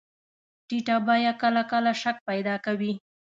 ټیټه بیه کله کله شک پیدا کوي.